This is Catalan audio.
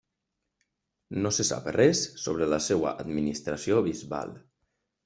No se sap res sobre la seva administració bisbal.